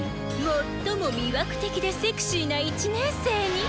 最も魅惑的でセクシーな１年生に。